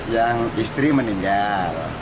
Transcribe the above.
yang istri meninggal